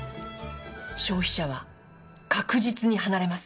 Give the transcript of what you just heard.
消費者は確実に離れます。